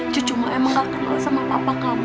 cucu emang gak kenal sama papa kamu